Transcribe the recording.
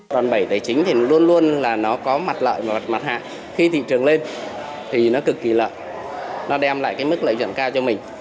đòn bẫy tài chính thì luôn luôn là nó có mặt lợi và mặt hạ khi thị trường lên thì nó cực kỳ lợi nó đem lại cái mức lợi dụng cao cho mình